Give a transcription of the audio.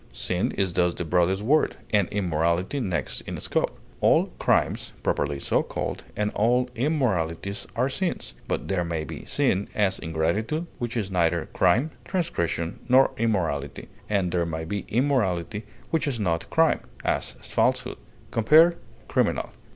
Sin is thus the broadest word, and immorality next in scope; all crimes, properly so called, and all immoralities, are sins; but there may be sin, as ingratitude, which is neither crime, transgression, nor immorality; and there may be immorality which is not crime, as falsehood. Compare CRIMINAL.